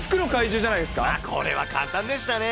これ、これは簡単でしたね。